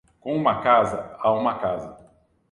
Com uma casa, há uma casa.